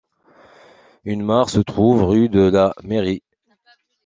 Une mare se trouve rue de la mairie.